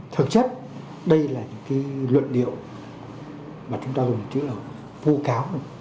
thực chất đây là những luận điệu mà chúng ta dùng chữ là vô cáo